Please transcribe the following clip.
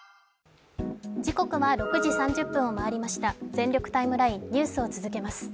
「全力タイムライン」ニュースを続けます。